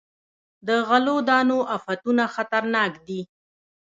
د غلو دانو افتونه خطرناک دي.